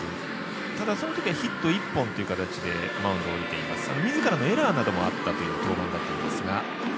ただ、その時はヒット１本という形でマウンドを降りていますがみずからのエラーなどもあった登板だったんですが。